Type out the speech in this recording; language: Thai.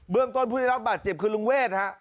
เรื่องต้นผู้ได้รับบาดเจ็บคือลุงเวทฮะ